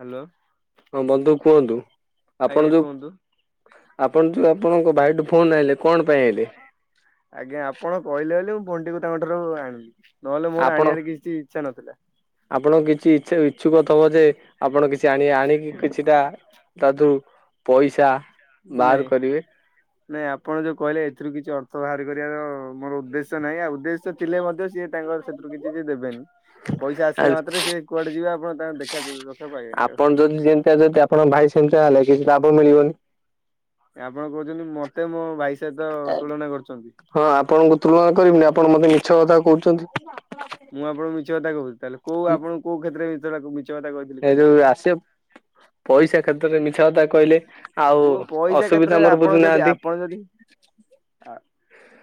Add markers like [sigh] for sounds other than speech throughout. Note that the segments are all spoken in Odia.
ହ୍ୟାଲୋ ହଁ ବନ୍ଧୁ କୁହନ୍ତୁ ଆଜ୍ଞା ଆପଣ ଯୋଉଁ କୁହନ୍ତୁ ଆପଣ ଯେଉଁ ଆପଣଙ୍କ ଭାଇଠୁ ଫୋନ୍ ଆଣଲେ କଣ ପାଇଁ ଆଜ୍ଞା ଆପଣ କହିଲେ ବୋଲି ମୁଁ ଫୋନ୍ କୁ ତାଙ୍କ ଠାରୁ ଆଣିଲି ନହେଲେ ମୋର ଆଣିବାର କିଛି ଇଚ୍ଛା ନଥିଲା। ଆପଣଙ୍କ କିଛି ଇଛା ଇଚ୍ଛୁକ ଥବ ଯେ ଆପଣ କିଛି କିଛି ଆଣି ଆଣିକି କିଛିଟା ତା ଧରୁ ପଇସା ବାହାର ନାଇଁ। କରିବେ ନାଇଁ ଆପଣ ଯୋଉ କହିଲେ ଏଥିରୁ କିଛି ଅର୍ଥ ବାହାର କରିବାର ମୋର ଉଦ୍ଦେଶ୍ୟ ନାହିଁ ଆଉ ଉଦ୍ଦେଶ୍ୟ ସେ ଥିଲେ ମଧ୍ୟ ସିଏ ତାଙ୍କର ସେଥିରୁ କିଛି ଦେବେନି ପଇସା ଆସିଲ ମାତ୍ରେ ସେ କୁଆଡେ ଯିବା ଆପଣ ତାଙ୍କୁ ଦେଖା ରଖା କୁ ପାଇବେନି ଆଉ ଆପଣ ଯେମିତିଆ ଯଦି ଆପଣଙ୍କ ଭାଇ ସେମିତିତା ହେଲେ କିଛି ଲାଭ ମିଳିବନି ଆପଣ କହୁଛନ୍ତି ମତେ ମୋ ଭାଇ ସହିତ ତୁଳନା କରୁଛନ୍ତି। ହଁ ଆପଣଙ୍କୁ ତୁଳନା କରିବିନି ଆପଣ ମତେ ମିଛ କଥା କହୁଛନ୍ତି। ମୁଁ ଆପଣ ମିଛ କଥା କହୁଛି ତାହାଲେ କୋଉଁ ଆପଣ କୋଉଁ କ୍ଷେତ୍ର ରେ ମିଛ କଥା କହିଥିଲି ଏ କହିଲେ? ଯୋଉ ଆସିବ ପଇସା କ୍ଷେତରେ ମିଛ କଥା କହିଲେ ଆଉ ପୁଅ ପଇସା ଅସୁବିଧା କ୍ଷେତ୍ର ରେ ମୋର ଆପଣ ଯଦି ବୁଝୁନାହାନ୍ତି। ଆପଣ ଯଦି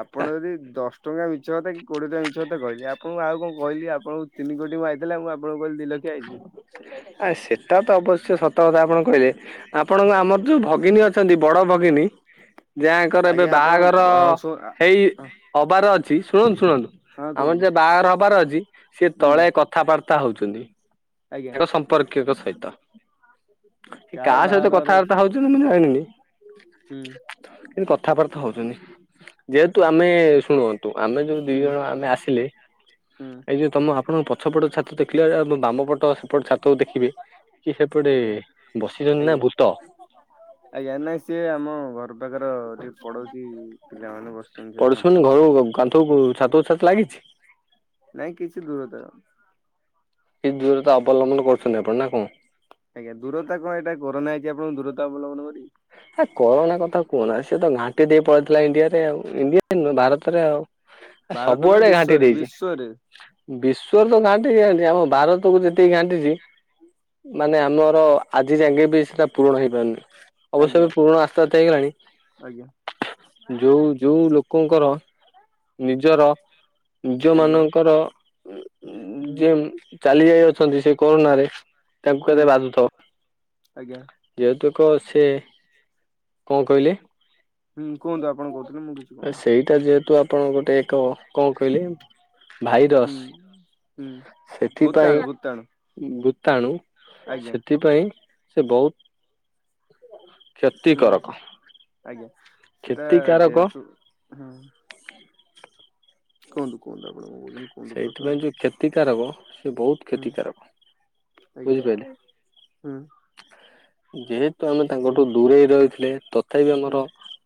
ଆପଣ ଯଦି ଦଶ ଟଙ୍କା ମିଛ କଥା କି କୋଡିଏ ଟଙ୍କା ମିଛ କଥା କହିଲେ ଆପଣଙ୍କୁ ଆଉ କଣ କହିଲି ଆପଣଙ୍କୁ ତିନି କୋଟି ଆଇଥିଲା ମୁଁ କଣ ଆପଣଙ୍କୁ କହିଲ ଦିଲକ୍ଷ୍ୟ ଆଇଚି ଆ ସେଟା ତ ଅବଶ୍ୟ ସତ କଥା ଆପଣ କହିଲେ ଆପଣଙ୍କ ଆମର ଯୋଉଁ ଭଗିନୀ ଅଛି? ଅଛନ୍ତି ବଡ ଭଗିନୀ ଯାଙ୍କର ଏବେ ଆଜ୍ଞା ଆପଣ ବାହାଘର ହଁ ଶୁ ହେଇ ହବାର ଅଛି ଶୁଣନ୍ତୁ ଶୁଣନ୍ତୁ ହଁ ଆମର କୁହନ୍ତୁ ଯଉଁ ବାହାଘର ହବାର ଅଛି ସିଏ ହୁଁ ତଳେ କଥାବାର୍ତ୍ତା ହଉଛନ୍ତି। ଆଜ୍ଞା ତାଙ୍କ ସମ୍ପର୍କୀୟଙ୍କ ସହିତ କାହାର କାହା ସହିତ ବାହାଘର ଅଛି କଥାବାର୍ତ୍ତା ହଉଛି ମୁଁ ଜାଣିନି। ହୁଁ କିନ୍ତୁ କଥାବାର୍ତ୍ତା ହଉଛନ୍ତି। ଯେହେତୁ ଆମେ ଶୁଣନ୍ତୁ ଆମେ ଯୋଉ ଦି ହୁଁ ଜଣ ଆମେ ଆସିଲେ ହୁଁ ଏଇ ଯୋଉ ତମ ଆପଣଙ୍କ ପଛ ପଟ ଛାତ ଦେଖିଲେ ବାମପଟ ସେପଟ ଛାତକୁ ଦେଖିବି କି ସେପଟେ ଆଜ୍ଞା ବସିଛନ୍ତି ନା ଆଜ୍ଞା ଭୂତ [inaudible] ଆଜ୍ଞା ନାଇଁ ସିଏ ଆମ ଘର ପାଖର ଡ଼ି ପଢଉଛି ପିଲାମାନେ ବସିଛନ୍ତି ସେ ଛାତ ଉପରେ କୁ ଛାତ ଛାତ ଲାଗିଛି? ନାଇଁ କିଛି ଦୂର ତାର। କି ଦୂରତା ଅବଲମ୍ବନ କରୁଛନ୍ତି ଆପଣ ନା କଣ? ଆଜ୍ଞା ଦୂରତା କଣ ଏଇଟା କରୋନା ହେଇଛି ଆପଣଙ୍କୁ ଦୂରତା ଅବଲମ୍ବନ କରିବି। ହେ କରୋନା କଥା କୁହନା ସେ ତ ଘାଣ୍ଟି ଦେଇ ପଳେଇଥିଲା ଇଣ୍ଡିଆରେ ଆଉ ଇଣ୍ଡିଆ ନୁହଁ ଭାରତରେ ଆଉ। ଭାରତ ନୁହେଁ ସବୁଆଡେ ଘାଣ୍ଟି ବିଶ୍ଵରେ ଦେଇଛି। ବିଶ୍ଵରେ ବିଶ୍ଵରେ ତ ଘାଣ୍ଟିଛି ଘାଣ୍ଟିଛି ଆମ ଭାରତକୁୁ ଯେତିକି ଘାଣ୍ଟିଛି ମାନେ ଆମର ଆଜି ଯାକେ ବି ସେଟା ପୂରଣ ହେଇପାରୁନି ଅବଶ୍ୟ ଆଜ୍ଞା ପୁରଣ ଆସ୍ତେ ଆସ୍ତେ ହେଇଗଲାଣି। ଆଜ୍ଞା ଯୋଉଁ ଯୋଉଁ ଲୋକଙ୍କର ନିଜର ନିଜ ଆଜ୍ଞା ମାନଙ୍କର ହୁଁ ଯେ ଚାଲି ଯାଇ ଅଛନ୍ତି ସେ କରୋନା ରେ ତାଙ୍କୁ ହୁଁ କେତେ ବାଧୁଥବ। ଆଜ୍ଞା ଯେହେତୁ ଏକ ସେ କଣ କହିଲେ? ହୁଁ କୁହନ୍ତୁ ଆପଣ କହୁଥିଲେ ମୁଁ କିଛି କହୁନି। ଏ ଯେହେତୁ ଆପଣଙ୍କ ଗୋଟେ ଏକ କଣ କହିଲେ ଭାଇରସ ହୁଁ। ହୁଁ ସେଥିପାଇଁ ଭୂତାଣୁ ଭୂତାଣୁ ଉ ଭୂତାଣୁ ଆଜ୍ଞା ସେଥିପାଇଁ ସେ ବହୁ ହୁଁ ଆଜ୍ଞା ସେଟା କ୍ଷତିକାରକ ଯେହେତୁ ହୁଁ। କୁହନ୍ତୁ କୁହନ୍ତୁ ଆପଣ କଣ କହୁଚନ୍ତି। ସେଇଥିପାଇଁ ଯୋଉ କ୍ଷତିକାରକ ସେ ବହୁ ହୁଁ କ୍ଷତିକାରକ ଆଜ୍ଞା ବୁଝି ପାଇଲେ ହୁଁ ଯେହେ ତ ଆମେ ଆଜ୍ଞା। ତାଙ୍କଠୁ ଦୂରେଇ ରହିଥିଲେ ତଥାପି ହୁଁ ଆମର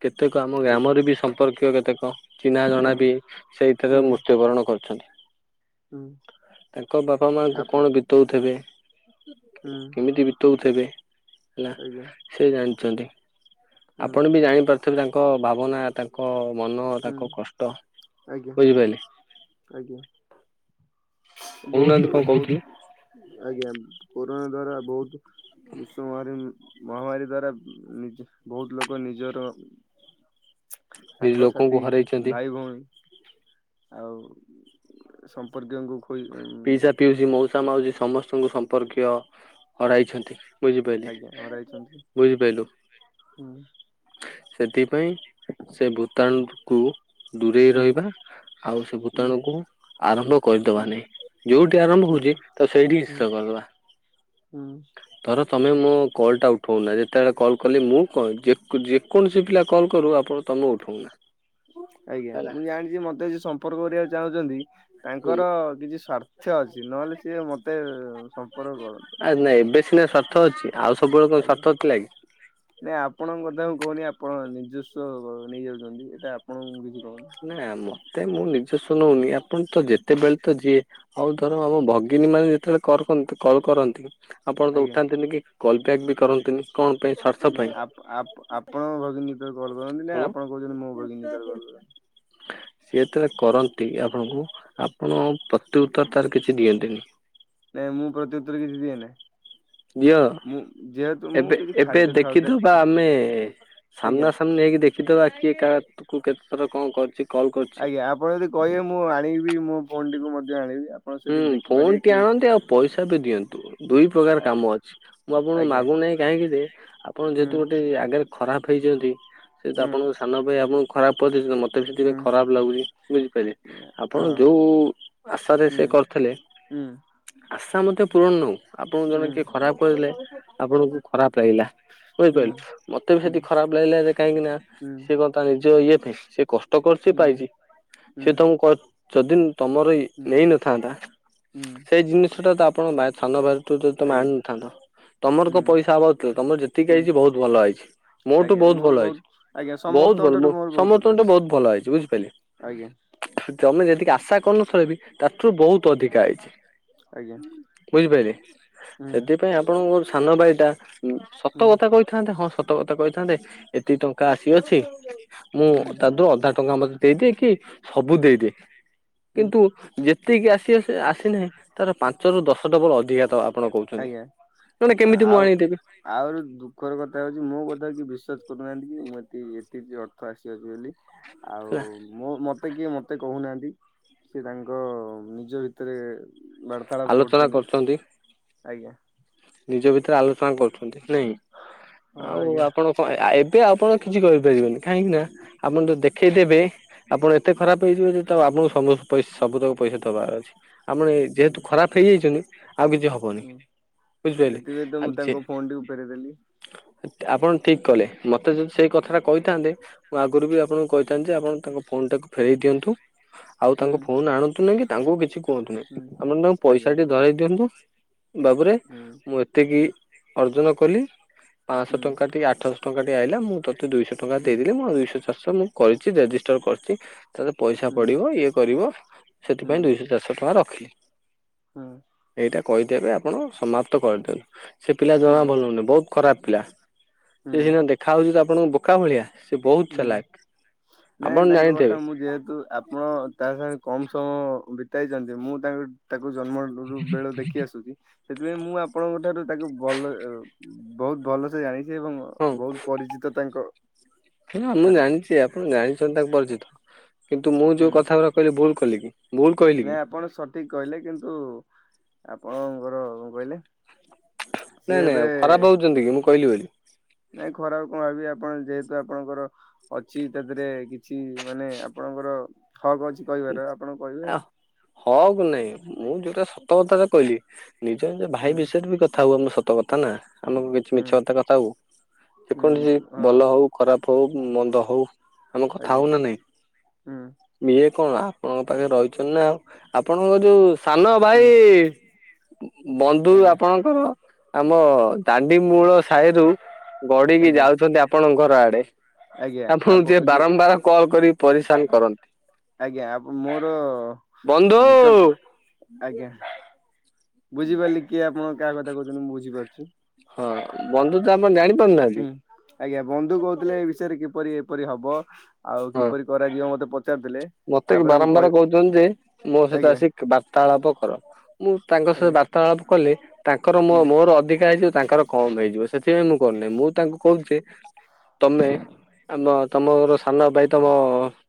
କେତେକ ଆମ ଆଜ୍ଞା ଗ୍ରାମରେ ବି ସମ୍ପର୍କୀୟ କେତେକ ଚିହ୍ନା ହୁଁ ଜଣା ବି ସେଇଥେରେ ହୁଁ ମୃତ୍ୟୁବରଣ କରିଚନ୍ତି। ହୁଁ। ତାଙ୍କ ବାପା ମାଆଙ୍କୁ ଆପ ହୁଁ କଣ ବିତଉଥେବେ କେମିତି ବିତଉଥେବେ। ହେଲା ଆଜ୍ଞା ସେ ଜାଣିଚନ୍ତି ହୁଁ। ଆପଣ ବି ଜାଣିପାରୁଥିବେ ତାଙ୍କ ଭାବନା ତା ଙ୍କ ମନ ହୁଁ ତାଙ୍କ କଷ୍ଟ ଆଜ୍ଞା ବୁଝିପାଇଲେ। ଆଜ୍ଞା। କହୁନାହାନ୍ତି ବହୁତ କଣ କହୁଥିଲେ ବହୁତ ଆଜ୍ଞା କୋରୋନା ଦ୍ଵାରା ବହୁତ ବିଶ୍ବ ମାରୀ ମହାମାରୀ ଦ୍ଵାରା ନିଜେ ବହୁତ ଲୋକ ନିଜର ନିଜ ସାଙ୍ଗ ଲୋକଙ୍କୁ ସାଥି ହରାଇଛନ୍ତି। ଭାଇ ଭଉଣୀ ଆଉ ସମ୍ପର୍କୀୟଙ୍କୁ ଖୋଇ ପିଇସା ପିଉସୀ ମଉସା ମାଉସୀ ସମସ୍ତଙ୍କୁ ସମ୍ପର୍କୀୟ ହରାଇଛନ୍ତି। ବୁଝିପାଇଲେ ଆଜ୍ଞା ହରାଇଛନ୍ତି। ବୁଝିପାଇଲୁ। ହୁଁ। ସେଥିପାଇଁ ସେ ଭୂତାଣୁ କୁ ଦୂରେଇ ହୁଁ ରହିବା ଆଉ ସେ ହୁଁ ଭୂତାଣୁ କୁ ଆରମ୍ଭ କରିଦବା ହୁଁ ନାଇଁ। ଯୋଉଠି ଆରମ୍ଭ ହୁଁ ହଉଚି ତାକୁ ସେଇଠି ହିଁ ହୁଁ ଶେଷ କରିଦବା। ହୁଁ। ତର ତମେ ମୋ କଲ୍ ଟା ଉଠଉନା ଯେତେବେଳେ କଲ୍ କଲି ମୁଁ କଣ ଯେ କ ଯେକୌଣସି ପିଲା କଲ୍ କରୁ ଆପଣ ତମେ ଉଠଉନା। ଆଜ୍ଞା ହେଲା ମୁଁ ଜାଣିଚି ମତେ ଆଜି ସମ୍ପର୍କ କରିବାକୁ ଚାହୁଁଚନ୍ତି। ହୁଁ ତାଙ୍କର କିଛି ସ୍ଵାର୍ଥ ଅଛି ନହେଲେ ସିଏ ମତେ ସମ୍ପର୍କ କରନ୍ତିନି। ନା ଏବେ ସିନା ସ୍ୱାର୍ଥ ଅଛି ଆଉ ସବୁବେଳେ କଣ ଆଜ୍ଞା ସ୍ୱାର୍ଥ ଥିଲା କି। ନାଇଁ ଆପଣଙ୍କ କଥା ମୁଁ କହୁନି ଆପଣ ନିଜସ୍ୱ ନେଇ ଯାଉଚନ୍ତି ଏଇଟା ଆପଣଙ୍କୁ ମୁଁ କିଛି କହୁନି। ନା ମତେ ମୁଁ ନିଜସ୍ଵ ନଉନି ଆପଣ ତ ଯେତେବେଳେ ତ ଯିଏ ହଉ ଧର ଆମ ଭଗିନୀ ମାନେ ଯେତେବେଳେ କଲ କରନ୍ତି କଲ୍ କରନ୍ତି ଆପଣ ତ ଆଜ୍ଞା ଉଠାନ୍ତିନି କି କଲ୍ ବ୍ୟାକ୍ ବି କରନ୍ତିନି କଣ ପାଇଁ ସ୍ୱା ନାଇଁ ଆପ-ଆପ-ଆପଣଙ୍କ ଭଗିନୀ ଯେତେବେଳେ କଲ୍ କରନ୍ତି ନା କଣ ଆପଣ କହୁଚନ୍ତି ମୋ ଭଗନୀ ଯେତେବେଳେ କଲ୍ କରନ୍ତି? ସିଏ ଯେତେବେଳେ କରନ୍ତି ଆପଣଙ୍କୁ ଆପଣ ପ୍ରତି ଉତ୍ତର ତାର କିଛି ଦିଅନ୍ତିନି। ନାଇଁ ମୁଁ ପ୍ରତି ଉତ୍ତର କିଛି ଦିଏ ନା। ଝିଅ ମୁଁ ଏବେ କିଛି ଏବେ ଖାଦ୍ୟ ଖାଉଥାଏ ଦେଖିଦବା ଆମେ ଆଜ୍ଞା ସାମ୍ନା ସାମ୍ନି ହେଇକି ଦେଖିଦବା କିଏ କାହାକୁ କେତେ ଥର କଣ କରଚି। ଆଜ୍ଞା ଆପଣ ଯଦି କହିବେ ମୁଁ ଆଣିବି ମୋ ଫୋନ ଟିକୁ ମଧ୍ୟ ଆଣିବି। ଆପଣ ହୁଁ ସେଥିରେ ଫୋନ ଦେଖିପାରିବେ ଟି କି ଆଣନ୍ତେ ଆଉ ପଇସା ବି ଦିଅନ୍ତୁ ଦୁଇ ପ୍ରକାର ଆ- କାମ ଅଛି ମୁଁ ଆପଣଙ୍କୁ ଆଜ୍ଞା ମାଗୁ ନାହିଁ କାହିଁକି ଯେ ଆପଣ ହୁଁ ଯେହେତୁ ଗୋଟେ ଆଗାରେ ଖରାପ ହେଇଚନ୍ତି ସେ ତ ହୁଁ ଆପଣଙ୍କ ସାନ ଭାଇ ଆପଣଙ୍କୁ ଖରାପ କରିଦେଇଚନ୍ତି ମ ତେ ଏବେ ସେଥିପାଇଁ ହୁଁ ଖରାପ ଲାଗୁଚି ବୁଝିପାଇଲେ ହଁ ଆପଣ ଯୋଉ ଆଶାରେ ହୁଁ ସେ କରଥେଲେ ହୁଁ ଆଶା ମଧ୍ୟ ପୂରଣ ନ ହଉ। ଆପଣଙ୍କୁ ହୁଁ ଜଣେ କିଏ ଖରାପ କହିଲେ ଆପଣଙ୍କୁ ଖରାପ ଲାଗିଲା। ହୁଁ ବୁଝିପାଇଲୁ ମତେ ବି ସେଠି ଖରାପ ଲାଗିଲା ଯେ କାହିଁକି ନା ହୁଁ ସେ କଣ ତା ନିଜ ଇଏ ପାଇଁ ସେ କଷ୍ଟ କରଚି ହୁଁ ପାଇଛି ସିଏ ତମୁକୁ କ ଯଦି ତମର ଇ ଉଁ ଭାଇ। ତା ସେଇ ଜିନିଷଟା ତ ଆପଣ ସାନ ଭାଇଠୁ ତ ଆଜ୍ଞା ଆଣିନଥାନ୍ତ। ତମର ହୁଁ କଁ ପଇସା ଅଭାବ ଥିଲା ତମର ଯେତିକି ହୁଁ ଆଇଛି ବହୁତ ଭଲ ଆ। ମୋଠୁ ଆଜ୍ଞା ବହୁତ ମୋର ଭଲ ଆଜ୍ଞା ଆଇଛି ବହୁତ ସମସ୍ତଙ୍କ ଠାରୁ ଭଲ ମୋର ବହୁତ ଉଲ୍ଲାସ ସମସ୍ତଙ୍କଠୁ ବହୁତ ଭଲ ଆଇଛି ବୁଝିପାଇଲେ। ଆଜ୍ଞା। ତମେ ଯେତିକି ଆଶା କରୁ ନ ଥିଲ ବି ତାଠରୁ ବହୁତ ଅଧିକା ଆଇଚି। ଆଜ୍ଞା ବୁଝିପାରିଲେ ହୁଁ ସେଥିପାଇଁ ଆପଣଙ୍କ ଯୋଉ ସାନ ବାଇଟା ହୁଁ ସତ କଥା କହିଥାନ୍ତେ ହଁ ସତ କଥା କହିଥାନ୍ତେ ଏତିକି ଟଙ୍କା ଆସିଅଛି। ମୁଁ ହୁଁ ତା ଦୁଉ ଅଧା ଟଙ୍କା ଦେଇଦେ କି ସବୁ ହୁଁ ଦେଇଦେ ହୁଁ କିନ୍ତୁ ଯେତିକି ଆସିବା ଆସିନାହିଁ ତାର ପାଞ୍ଚରୁ ଦଶ ଡବଲ ଅଧିକା ତ ଆପଣ କହୁଛନ୍ତି। ଆଜ୍ଞା ନନେ କେମିତି ମୁଁ ଆଉ ଆଣିଦେବି? ଆହୁରି ଦୁଃଖର କଥା ହଉଛି ମୋ କଥା କି ବିସ୍ୱାସ କରୁନାହାନ୍ତି କିଁ ଏ ଏତିକି ଅର୍ଥ ଆସିଅଛି ବୋଲି ଆଉ ହେଲା ମ ମତେ କିଏ ମତେ କହୁନାହାନ୍ତି ସେ ତାଙ୍କ ନିଜ ଭିତରେ ବ ତାଳପ କରୁଛନ୍ତି ଆଜ୍ଞା। ନିଜ ଭିତରେ ଆଲୋଚନା କରୁଛନ୍ତି ନାଇଁ ହଁ ଆଉ ଆଜ୍ଞା। ଆପଣ ହଁ ଏବେ ଆପଣ କିଛି କରିପାରିବେନି କାହିଁକି ନା ଆପଣ ଯ ଦେଖେଇ ଦେବେ ଆପଣ ଏତେ ଖରାପ ହେଇଯିବେ ଯେ ଆପଣଙ୍କୁ ସବୁ ତାକୁ ପଇସା ଦବାର ଅଛି। ଆପଣ ଆଜ୍ଞା ଯେହେତୁ ଖରାପ ହେଇଯାଇଛନ୍ତି ଆଉ କିଛି ହବନି। ହୁଁ ବୁଝିପାରିଲେ। ସେଥିପାଇଁ ତ ଆ ମୁଁ ଯେ ତାଙ୍କ ଫୋନ ଟିକୁ ଫେରେ ଦେଲି ଆପଣ ଠିକ କଲେ ମତେ ଯଦି ସେଇ କଥା ଟା କହିଥାନ୍ତେ ମୁଁ ଆଗରୁ ବି ଆପଣଙ୍କୁ କହି ଥାନ୍ତି ଯେ ଆପଣ ତାଙ୍କ ଫୋନ ଟାକୁ ଫେରେଇ ଦିଅନ୍ତୁ ଆଉ ହୁଁ ତାଙ୍କ ଫୋନ ଆଣନ୍ତୁ ନାଇଁ କି ତାଙ୍କୁ କିଛି କୁହନ୍ତୁ ନାହି ହୁଁ। ଆପଣ ତାଙ୍କୁ ଆଜ୍ଞା ପଇସା ଟି ଧରାଇ ଦିଅନ୍ତୁ ବାବୁରେ ହୁଁ ମୁଁ ଏତିକି ହୁଁ ଅର୍ଜନ କଲି ପାଞ୍ଚଶହ ହୁଁ ଟଙ୍କାଟି ଆଠଶହ ଟଙ୍କାଟି ଆଇଲା ମୁଁ ତତେ ଦୁଇଶହ ଟଙ୍କା ହୁଁ ଦେଇଦେଲିି ମୁ ଦୁଇଶହ ଚାର ଶ ମୁଁ କରିଛି ରେଜିଷ୍ଟର କରିଛି ତାର ପଇସା ହୁଁ ପଡିବ ଇଏ କରିବ ସେଥିପାଇଁ ଦୁଇଶହ ଚାରିଶହ ଟଙ୍କା ରଖିଲି। ହଁ ଏଇଟା କହିଦେବେ ଆପଣ ସମାପ୍ତ କରିଦିଅନ୍ତୁ ସେ ପିଲା ହୁଁ ଜମା ଭଲ ନୁହେଁ ବହୁତ ଖରାପ ପିଲା ହୁଁ ହୁଁ ସେ ସିନା ଦେଖାହେଉଛି ତ ଆପଣଙ୍କୁ ବୋକା ଭଳିଆ। ସେ ବହୁତ ହୁଁ ଚାଲାକ ନାଇଁ ଆପଣ ତାଙ୍କ କଥା ଜାଣିଥିବେ ମୁଁ ଯେହେତୁ ଆପଣ ତା ସାଙ୍ଗେ କମ ସମୟ ବିତେଇଛନ୍ତି ମୁଁ ତା ତାକୁ ଜନ୍ମରୁ ବେଳ ଦେଖି ଆସୁଛି। ସେଥିପାଇଁ ମୁଁ ଆପଣଙ୍କ ଠାରୁ ତାକୁ ଭଲ ବହୁତ ଭଲସେ ଜାଣିଛି। ଏବଂ ବହୁତ ପରିଚିତ ତାଙ୍କ ହେଲା ମୁଁ ଠାରେ ଜାଣିଛି ଆପଣ ଜାଣିଛନ୍ତି ତାଙ୍କ ପରିଚିତ କିନ୍ତୁ ମୁଁ ଯୋଉ ହୁଁ କଥା ଗ କହିଲି ଭୁଲ କଲି କି? ଭୁଲ କହିଲି ନାଇଁ କି ଆପଣ ସଠିକ କହିଲେ କିନ୍ତୁ ଆପଣଙ୍କର କଣ କହିଲେ ନାଇଁ ସିଏ ନାଇଁ ଏବେ ଆଉ ଖରାପ ଭାବୁଛନ୍ତି କି ମୁଁ କହିଲି ବୋଲି। ନାଇଁ ଖରାପ କଣ ଭାବିବି ଆପଣ ଯେହେତୁ ଆପଣଙ୍କର ଅଛି ତାଥିହରେ କିଛି ମାନେ ଆପଣଙ୍କର ହକ୍ ଅଛି କହିବାର ଆପଣ କହିବେ ଆଉ। ହକ ନାଇଁ ମୁଁ ଯୋଉଟା ସତକଥା ଟା କହିଲି ନିଜ ନିଜ ହୁଁ ଭାଇ ବିଷୟରେ ବି କଥା ହୁଅ ମୁଁ ସତକଥା କଥା ନା ଆମକୁ କିଛି ହୁଁ ମିଛ କଥା କଥା ହବୁ। ଯେକୌଣସି ହୁଁ ହଁ ଭଲ ହଉ ଖରାପ ହଉ ମନ୍ଦ ହଉ ଆମେ କଥା ଆଜ୍ଞା ହଉନା ନାଇଁ। ହୁଁ ଇଏ କଣ ଆପଣଙ୍କ ପାଖରେ ରହିଛନ୍ତି ନା ଆଉ ଆପଣଙ୍କ ଯୋଉ ସାନ ହୁଁ। ଭାଇ ବନ୍ଧୁ ଆଜ୍ଞା ଆପଣଙ୍କର ଆମ ତାଡି ମୂଳ ସାଇରୁ ଗଡିକି ଆଜ୍ଞା ଯାଉଛନ୍ତି ଆପଣଙ୍କ ଘର ଆଡେ।। ଆଜ୍ଞା ଆପଣ ଯିଏ ଯୋଉ ବାରମ୍ବାର କଲ୍ କରିକି ପରିଶାନ କରନ୍ତି। ଆଜ୍ଞା ଆ ମୋର ବନ୍ଧୁ ନିକଟ ଆଜ୍ଞା। ବୁଝିପାରିଲି କିଏ ଆପଣ କାହା କଥା କହୁଛନ୍ତି ମୁଁ ବୁଝିପାରୁଛି। ହଁ ବନ୍ଧୁ ତ ଆମଣ ଜାଣି ହୁଁ ଆଜ୍ଞା ବନ୍ଧୁ କହୁଥିଲେ ଏ ବିଷୟରେ କିପରି ଏପରି ହବ। ଆଉ ହଁ। କିପରି କରାଯିବ ମତେ ପ ମତେ ବାରମ୍ବାର କହୁଛନ୍ତି ଯେ ମୋ ସହିତ ଆଜ୍ଞା ଆସିିକି ବାର୍ତାଳାପ କର ମୁଁ ତାଙ୍କ ସହିତ ଆଜ୍ଞା ବାର୍ତ୍ତାଳାପ କଲେ ତାଙ୍କର ମୋ ହୁଁ ମୋର ଅଧିକା ହେଇଯିବ ତାଙ୍କର କମ ହେଇଯିବ ସେଥିପାଇଁ ମୁଁ କରୁନେଇ ମୁଁ ତାଙ୍କୁ କହୁଚି ଯେ ତମେ ଆମ ତମର ସାନ ଭାଇ ତମ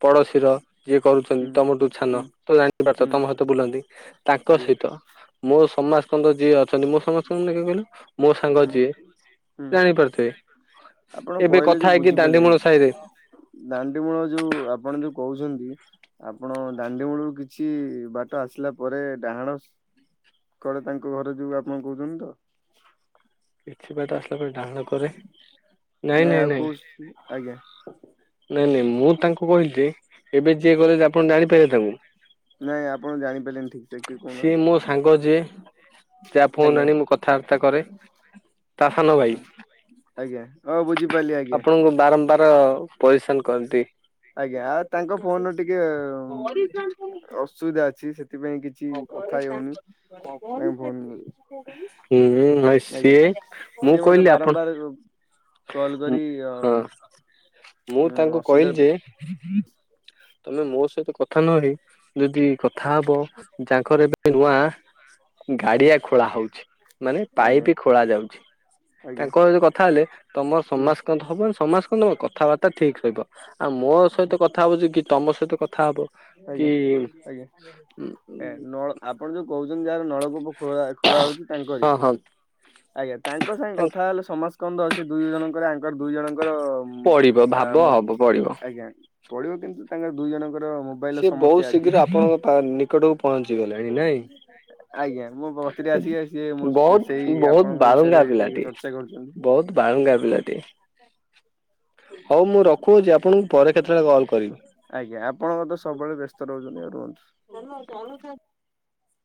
ପଡ଼ୋଶୀର ଯିଏ କରୁଛନ୍ତି ହୁଁ। ତମଠୁ ହୁଁ ଛାନ ତ ଜାଣିପାରଥିବ ହୁଁ ତମ ସହିତ ବୁଲନ୍ତି ତାଙ୍କ ଆଜ୍ଞା ସହିତ ମୋ ସମାସ୍କନ୍ଦ ଯିଏ ଅଛନ୍ତି ମୋ ସମାସ୍କନ୍ଦ କିଏ କହିଲ ହୁଁ ହୁଁ ଆପଣ ଏବେ କହିଲେ କଥା ଯୋଉ ହେଇକି ଦାଣ୍ଡିମୂଳ ସାହିରେ ବୁଝିପାରିଲିନି। ଦାଣ୍ଡି ମୂଳ ଯୋଉ ଆପଣ ଯୋଉ କହୁଛନ୍ତି ଆପଣ ଦାଣ୍ଡି ମୂଳରୁ କିଛି ବାଟ ଆସିଲା ପରେ ଡାହାଣ ଶ୍ କଡ ତାଙ୍କ ଘର ଯୋଉ ଆପଣ କହୁଛନ୍ତି ତ କିଛି ବାଟ ଆସିଲା ପରେ ଡାହାଣ କରେ ନାଇଁ ଆଉ କୋଉ ସି ଆଜ୍ଞା। ନାଇଁ ନାଇଁ ମୁଁ ତାଙ୍କୁ କହିଲି ଯେ ଏବେ ଯିଏ ଗଲେ ଆପଣ ଜାଣିପାରିବେ ତାଙ୍କୁ ନାଇଁ ଆପଣ ଜାଣିପାଇଲେ ନି ଠିକଶ୍ ସିଏ ମୋ ସାଙ୍ଗ ଯିଏ ଯା ଫୋନ ଆଜ୍ଞା ଆଣି ମୁଁ କଥାବାର୍ତ୍ତା କରେ। ତା ସାନ ଭାଇ ଆଜ୍ଞା ହଁ ବୁଝିପାରିଲି ଆଜ୍ଞା ଆପଣଙ୍କୁ ବାରମ୍ବାର ପରିଶାନ କରନ୍ତି। ଆଜ୍ଞା ଆ ତାଙ୍କ ଫୋନ ର ଟିକେ ଅସୁବିଧା ଅଛି ସେଥିପାଇଁ କି ଛି କଥା ହେଇ ହଉନି ତାଙ୍କ ଫୋନ ହୁଁ ଭାଇ ରେ ଆଜ୍ଞା। ସିଏ ମୁଁ ସିଏ ମତେ କହିଲି ଆପଣ ବାରମ୍ବାର କଲ କରି ହଁ ଅ ମୁଁ ତାଙ୍କୁ କହିଲି ଅସୁବିଧାରେ ପ ଯେ ତମେ ମୋ ସହିତ କଥା ନ ହେଇ ଯଦି କଥା ହବ ଯାଙ୍କର ଏବେ ନୂଆ ହୁଁ ଗାଡିଆ ଖୋଳା ହଉଛି ମାନେ ଆଜ୍ଞା ପାଇପ୍ ଖୋଳା ଯାଉଚି। ଆଜ୍ଞା ତାଙ୍କ ସହିତ କଥା ହେଲେ ତମର ହୁଁ ସମାସ୍କନ୍ଦ ହବ ନ ସମାସ୍କନ୍ଦ କ କଥାବାର୍ତ୍ତା ଠିକ ରହିବ। ଆଉ ମୋ ସହିତ କଥା ହଉଚି କି ତମ ସହିତ କଥା ହବ କି ଆଜ୍ଞା ଆଜ୍ଞା ଆ ଆପଣ ଯୋଉ କହୁଚନ୍ତି ଯାହାର ନଳକୂପ ଖୋଳା ଖୋଳା ହଉଚି ହଁ ତାଙ୍କରି। ହଁ ଆଜ୍ଞା ତାଙ୍କ ସାଙ୍ଗେ କଥା ହେଲେ ସମାସ୍କନ୍ଦ ଅଛି ଦୁଇ ଜଣଙ୍କର ଆଙ୍କର ଦୁଇ ଜଣଙ୍କର ପଡ଼ିବ ଆ ଭାବ ମୋ ହବ ପ ଆଜ୍ଞା ପଢିବ କିନ୍ତୁ ତାଙ୍କର ଦୁଇ ଜଣଙ୍କର ହବ୍ ସିଏ ବହୁତ ଶୀଘ୍ର ଆପଣଙ୍କ ପା ନିକଟକୁ ପହଞ୍ଚି ଗଲାଣି ନାଇଁ। ଆଜ୍ଞା ମୋ ବତିରେ ଆସିକି ସିଏ ମୋ ବହୁତ ସେଇ ବହୁତ ଆପଣଙ୍କ ବାଳୁଙ୍ଗା ବିଷୟରେ ଟିକେ ପିଲାଟିଏ ଚର୍ଚ୍ଚା କରୁଚନ୍ତି। ବହୁତ ବାଳୁଙ୍ଗା ପିଲା ଟେ ହଉ ମୁଁ ରଖୁଅଛି ଆପଣଙ୍କୁ ପରେ କେତେବେଳେ କଲ୍ କରିବି। ଆଜ୍ଞା ଆପଣଙ୍କ ତ ସବୁବେଳେ ବ୍ୟସ୍ତରହୁଚନ୍ତି ଆଉ ରୁହନ୍ତୁ। [unintelligible]